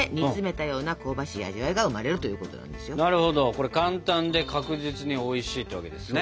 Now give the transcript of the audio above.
これ簡単で確実においしいってわけですね。